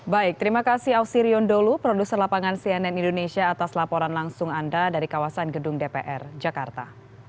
baik terima kasih ausirion dholu produser lapangan cnn indonesia atas laporan langsung anda dari kawasan gedung dpr jakarta